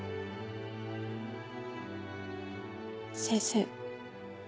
先生。